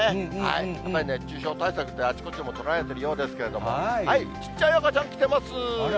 やっぱり熱中症対策もあちこち取られてるようですけれども、ちっちゃい赤ちゃん来てます。